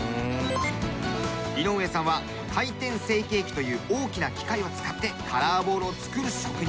井上さんは回転成型機という大きな機械を使ってカラーボールを作る職人さん。